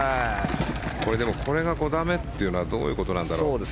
これが５打目というのはどういうことなんだろう。